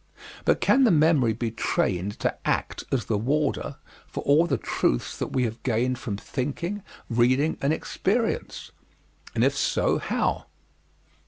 But can the memory be trained to act as the warder for all the truths that we have gained from thinking, reading, and experience? And if so, how?